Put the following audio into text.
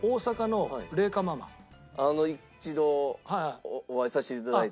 あの一度お会いさせて頂いた。